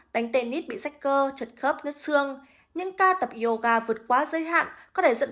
đánh tennis bị rách cơ trật khớp nứt xương những ca tập yoga vượt quá giới hạn có thể dẫn